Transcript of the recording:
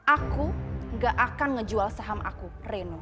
aku gak akan ngejual saham aku reno